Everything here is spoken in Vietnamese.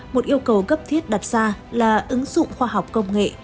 một yêu cầu gấp thiết đặt ra là ứng dụng khoa học công nghệ